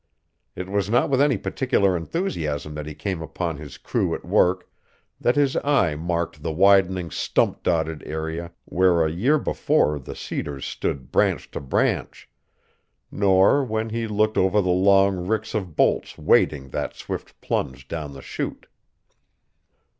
It was not with any particular enthusiasm that he came upon his crew at work, that his eye marked the widening stump dotted area where a year before the cedars stood branch to branch, nor when he looked over the long ricks of bolts waiting that swift plunge down the chute.